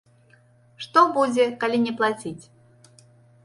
Што будзе, калі не плаціць?